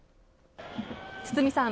堤さん